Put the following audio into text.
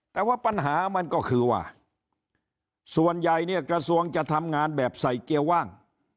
แต่ว่าปัญหามันก็คือว่าส่วนใหญ่เนี่ยกระทรวงจะทำงานแบบใส่เกียร์ว่าง